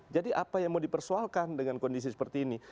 jadi apa yang mau dipersoalkan dengan kondisi seperti ini